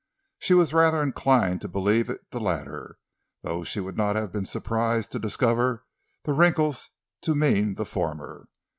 She was rather inclined to believe it the latter, though she would not have been surprised to discover the wrinkles to mean the former.